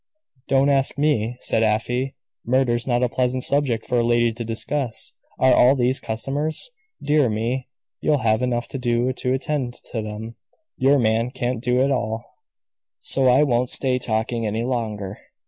"Don't ask me," said Afy. "Murder's not a pleasant subject for a lady to discuss. Are all these customers? Dear me, you'll have enough to do to attend to them; your man can't do it all; so I won't stay talking any longer."